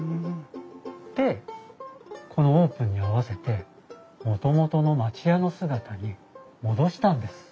でこのオープンに合わせてもともとの町家の姿に戻したんです。